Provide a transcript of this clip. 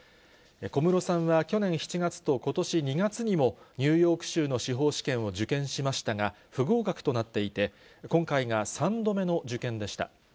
小室さんは去年７月とことし２月にも、ニューヨーク州の司法試験を受験しましたが、不合格となっていて、今回が３度目の受験でした。